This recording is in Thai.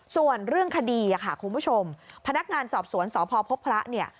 ส่วนเรื่องคดีค่ะคุณผู้ชมพนักงานสอบสวนสพพพระเนี่ย